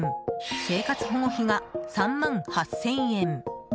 生活保護費が３万８０００円。